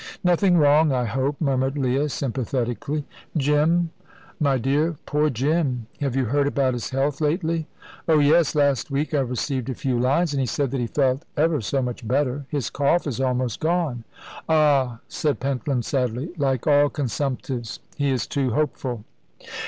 "Nothing wrong, I hope," murmured Leah, sympathetically. "Jim, my dear poor Jim! Have you heard about his health lately?" "Oh yes! Last week I received a few lines, and he said that he felt ever so much better. His cough is almost gone." "Ah," said Pentland, sadly; "like all consumptives, he is too hopeful."